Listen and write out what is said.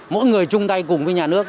mỗi người chung tay cùng với nhà nước